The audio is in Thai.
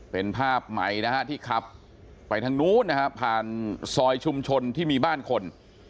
เป็นภาพใหม่นะฮะที่ขับไปทางนู้นนะฮะผ่านซอยชุมชนที่มีบ้านคน